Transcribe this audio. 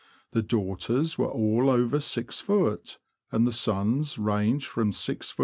The daughters were all over 6ft., and the sons ranged from 6ft.